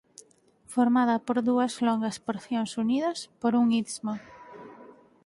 Formada por dúas longas porcións unidas por un istmo.